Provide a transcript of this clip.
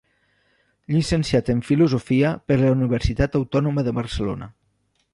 Llicenciat en filosofia per la Universitat Autònoma de Barcelona.